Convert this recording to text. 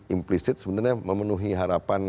implicit sebenarnya memenuhi harapan